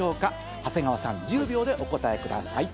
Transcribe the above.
長谷川さん、１０秒でお答えください。